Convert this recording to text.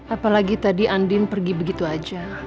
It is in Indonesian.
apalagi tadi andin pergi begitu aja